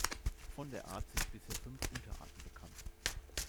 Von der Art sind bisher fünf Unterarten bekannt.